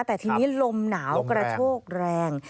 แต่ทีนี้ลมหนาวกระโชกแรง